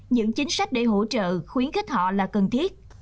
những chính sách để hỗ trợ khuyến khích họ là cần thiết